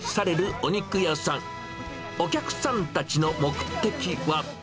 お客さんたちの目的は。